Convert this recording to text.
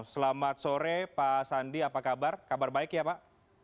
selamat sore pak sandi apa kabar kabar baik ya pak